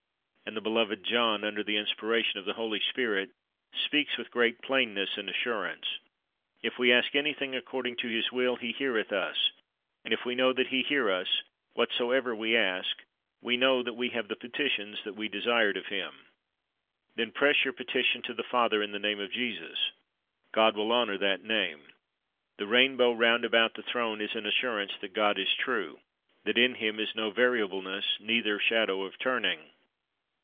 And the beloved John, under the inspiration of the Holy Spirit, speaks with great plainness and assurance: "If we ask anything according to His will. He heareth us: and if we know that He hear us, whatsoever we ask, we know that we have the petitions that we desired of Him."> Then press your petition to the Father in the name of Jesus. God will honor that name. The rainbow round about the throne is an assurance that God is true, that in Him is no variableness, neither shadow of turning.